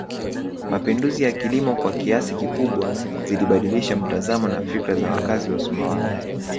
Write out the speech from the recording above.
Mapinduzi ya kilimo kwa kiasi kikubwa zilibadilisha mtazamo na fikra za wakazi wa Sumbawanga